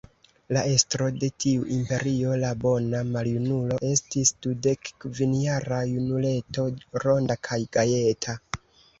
La estro de tiu imperio, la bona maljunulo, estis dudekkvinjara junuleto, ronda kaj gajeta.